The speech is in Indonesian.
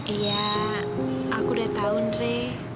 iya aku udah tahu andre